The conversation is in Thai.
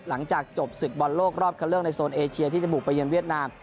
หลังจากจบศึกบอลโลกรอบเข้าเลือกในโซนเอเชียที่จะบุกไปเย็นเวียดนาม